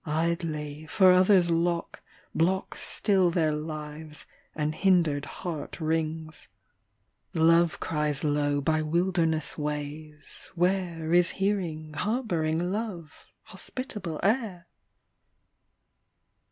Idly; for others lock, Block still their lives, and hindered heart wrings. Love cries low by wilderness ways. Where Is hearing, harbouring love; hospitable air?